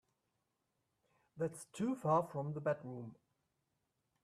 That's too far from the bedroom.